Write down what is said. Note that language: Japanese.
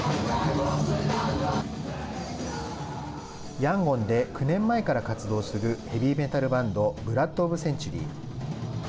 ヤンゴンで９年前から活動するヘビーメタルバンドブラッド・オブ・センチュリー。